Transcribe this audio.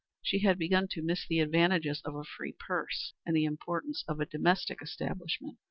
She had begun to miss the advantages of a free purse and the importance of a domestic establishment.